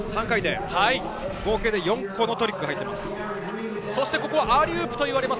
合計で４個のトリックが入っています。